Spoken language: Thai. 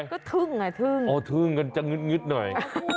ก็ทึ่งอ่ะทึ่งอ๋อทึ่งกันจะงึดงึดหน่อย